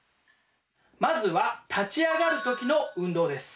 まずは立ち上がる時の運動です。